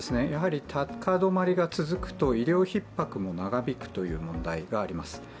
高止まりが続くと医療ひっ迫も長引くという問題があります。